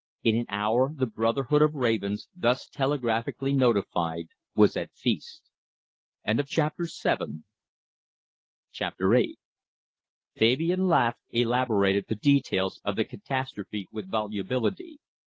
In an hour the brotherhood of ravens, thus telegraphically notified, was at feast. Chapter VIII Fabian Laveque elaborated the details of the catastrophe with volubility.